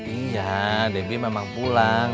iya debbie memang pulang